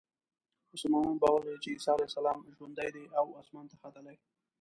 مسلمانان باور لري چې عیسی علیه السلام ژوندی دی او اسمان ته ختلی.